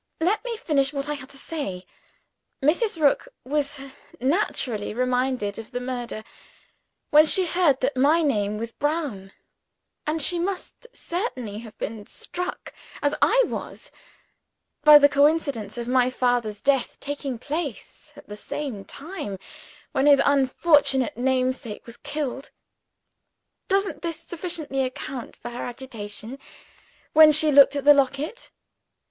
Let me finish what I had to say. Mrs. Rook was naturally reminded of the murder, when she heard that my name was Brown; and she must certainly have been struck as I was by the coincidence of my father's death taking place at the same time when his unfortunate namesake was killed. Doesn't this sufficiently account for her agitation when she looked at the locket?